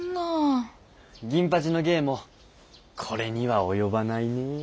銀八の芸もこれには及ばないねえ。